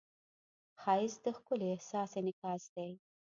ښایست د ښکلي احساس انعکاس دی